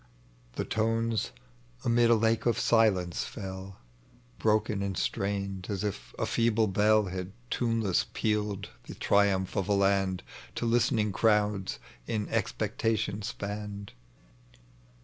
The tones amid a lake of sOcnee fell Broken and strained, as if a feeble bell Had tuneless pealed the triumph of a land To listening crowds in expectation spanned.